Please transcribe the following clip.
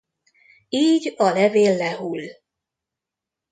Így a levél lehull.